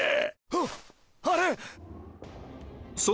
あっあれ！